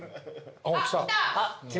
あっ来た！